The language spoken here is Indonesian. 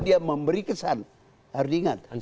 dia memberi kesan harus diingat